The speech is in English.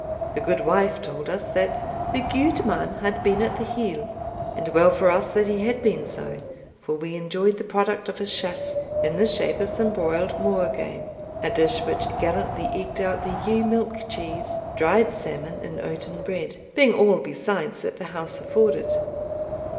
The goodwife told us, that "the gudeman had been at the hill;" and well for us that he had been so, for we enjoyed the produce of his chasse in the shape of some broiled moor game, a dish which gallantly eked out the ewe milk cheese, dried salmon, and oaten bread, being all besides that the house afforded.